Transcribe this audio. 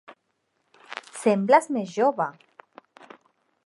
Sembles més jove.